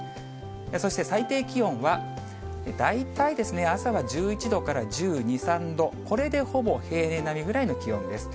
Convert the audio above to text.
そして、最低気温は、大体ですね、朝は１１度から１２、３度、これでほぼ平年並みぐらいの気温です。